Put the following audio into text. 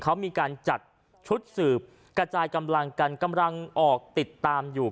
เขามีการจัดชุดสืบกระจายกำลังกันกำลังออกติดตามอยู่